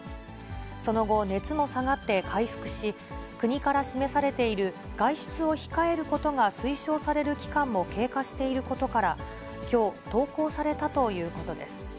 その後、熱も下がって回復し、国から示されている外出を控えることが推奨される期間も経過していることから、きょう、登校されたということです。